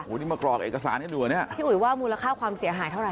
วันนี้มากรอกเอกสารให้ดูอ่ะเนี่ยพี่อุ๋ยว่ามูลค่าความเสียหายเท่าไห